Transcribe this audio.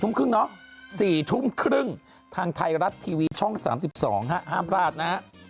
ทุ่มครึ่งเนาะ๔ทุ่มครึ่งทางไทยรัฐทีวีช่อง๓๒ห้ามพลาดนะฮะ